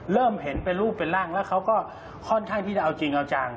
เริ่มเห็นเป็นรูปเป็นร่างแล้วเขาก็ค่อนข้างที่จะเอาจริงเอาจัง